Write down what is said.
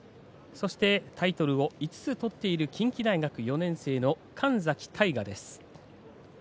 そしてタイトルを５つ取っている近畿大学４年生の神崎大河です。